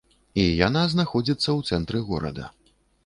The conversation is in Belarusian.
І яна знаходзіцца ў цэнтры горада.